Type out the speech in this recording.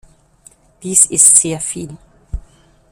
Dies ist sehr viel.